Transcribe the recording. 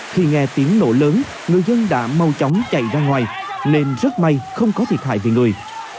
khi nghe tiếng nổ lớn người dân đã mau chóng chạy ra ngoài nên rất may không có thiệt hại về người